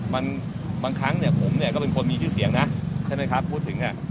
มันบางครั้งเนี่ยผมเนี่ยก็เป็นคนมีชื่อเสียงนะใช่ไหมครับพูดถึงอ่ะ